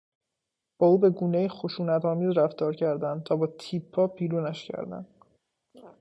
با او به گونهای خشونت آمیز رفتار کردند و با تیپا بیرونش کردند.